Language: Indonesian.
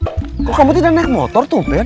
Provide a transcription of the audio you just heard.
sayang kok kamu tidak naik motor tuh ben